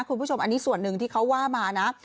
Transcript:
คุณผู้ชมอันนี้ส่วนหนึ่งที่เขาว่ามานะ